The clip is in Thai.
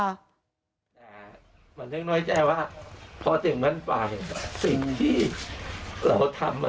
แล้วบางทีผมอ่ะจริงนะผมก็ค่อนขึ้นแข็งนะ